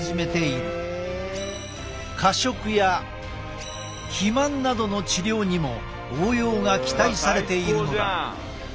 過食や肥満などの治療にも応用が期待されているのだ。